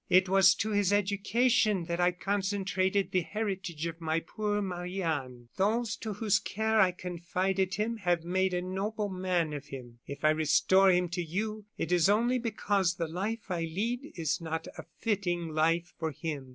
It was to his education that I consecrated the heritage of my poor Marie Anne. "Those to whose care I confided him have made a noble man of him. If I restore him to you, it is only because the life I lead is not a fitting life for him.